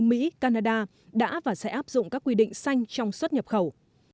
mỹ canada đã và sẽ áp dụng các quy định xanh trong xuất nhập khẩu